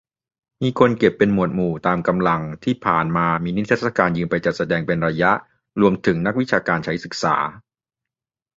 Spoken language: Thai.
มีคนเก็บเป็นหมวดหมู่ ตามกำลัง ที่ผ่านมามีนิทรรศการยืมไปจัดแสดงเป็นระยะ รวมถึงนักวิชาการใช้ศึกษา